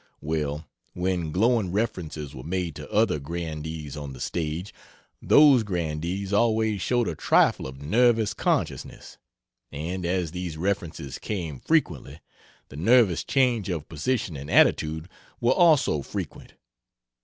Well, when glowing references were made to other grandees on the stage, those grandees always showed a trifle of nervous consciousness and as these references came frequently, the nervous change of position and attitude were also frequent.